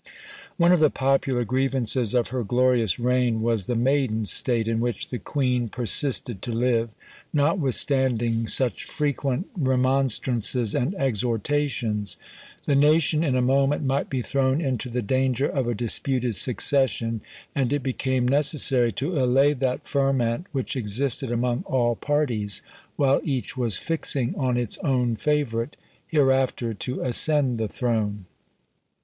One of the popular grievances of her glorious reign was the maiden state in which the queen persisted to live, notwithstanding such frequent remonstrances and exhortations. The nation in a moment might be thrown into the danger of a disputed succession; and it became necessary to allay that ferment which existed among all parties, while each was fixing on its own favourite, hereafter to ascend the throne.